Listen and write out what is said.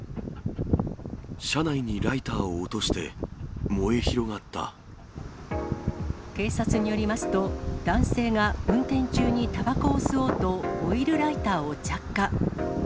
車内にライターを落として、警察によりますと、男性が運転中にたばこを吸おうと、オイルライターを着火。